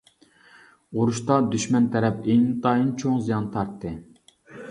ئۇرۇشتا دۈشمەن تەرەپ ئىنتايىن چوڭ زىيان تارتتى.